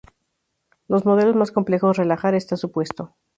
Los modelos más complejos relajar este supuesto.